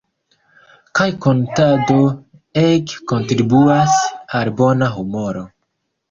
Kaj kantado ege kontribuas al bona humoro.